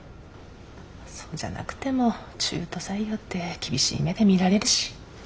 そうじゃなくても中途採用って厳しい目で見られるし。